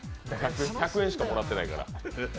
１００円しかもらってないから。